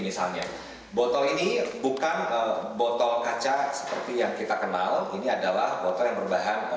misalnya botol ini bukan botol kaca seperti yang kita kenal ini adalah botol yang berbahan